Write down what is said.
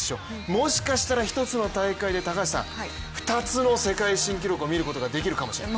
もしかしたら１つの大会で２つの世界新記録を見ることができるかもしれない。